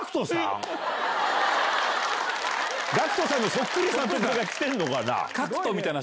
ＧＡＣＫＴさんのそっくりさんが来てんのかな？